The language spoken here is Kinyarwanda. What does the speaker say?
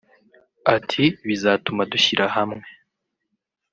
Ati ‘’ Bizatuma dushyira hamwe